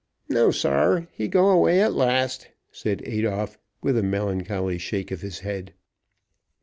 "No, saar; he go away at last!" said Adolphe, with a melancholy shake of his head.